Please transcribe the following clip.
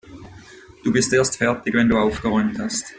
Du bist erst fertig, wenn du aufgeräumt hast.